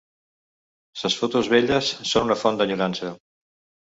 Ses fotos velles són una font d'enyorança